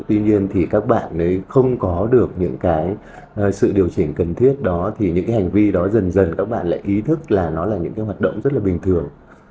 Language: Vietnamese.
tuy nhiên thì các bạn ấy không có được những cái sự điều chỉnh cần thiết đó thì những cái hành vi đó dần dần các bạn lại ý thức là nó là những cái hoạt động rất là bình thường